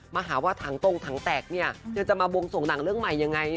มาหาว่าถังตรงถังแตกเนี่ยเธอจะมาวงส่งหนังเรื่องใหม่ยังไง